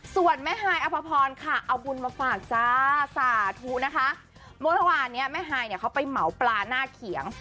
ส่วนแม่ฮายอภพรค่ะเอาบุญมาฝากจ้าสาธุนะคะเมื่อวานเนี้ยแม่ฮายเนี่ยเขาไปเหมาปลาหน้าเขียง